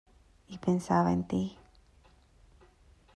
y pensaba en ti.